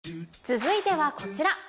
続いてはこちら。